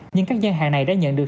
nhưng các gian hàng này đã nhận được